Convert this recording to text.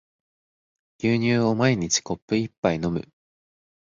牛乳を毎日コップ一杯飲む